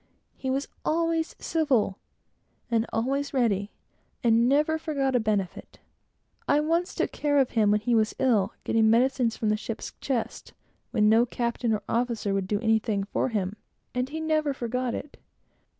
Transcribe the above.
He was always civil, and always ready, and never forgot a benefit. I once took care of him when he was ill, getting medicines from the ship's chests, when no captain or officer would do anything for him, and he never forgot it.